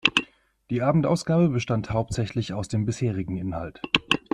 Die Abendausgabe bestand hauptsächlich aus dem bisherigen Inhalt.